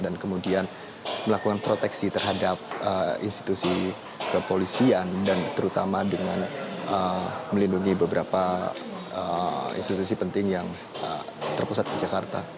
dan kemudian melakukan proteksi terhadap institusi kepolisian dan terutama dengan melindungi beberapa institusi penting yang terpusat di jakarta